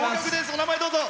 お名前、どうぞ。